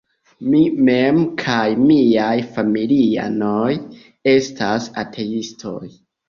Mi mem kaj miaj familianoj estas ateistoj.